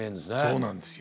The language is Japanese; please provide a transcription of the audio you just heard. そうなんですよ。